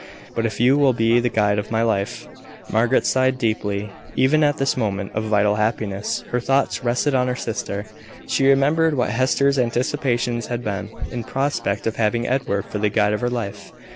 But if you will be the guide of my life " Margaret sighed deeply. Even at this moment of vital happiness, her thoughts rested on her sister. She remembered what Hester's anticipations had been, in prospect of having Edward for the guide of her life.